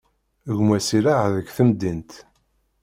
Gma-s iraε deg temdint.